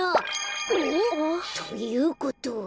お？ということは。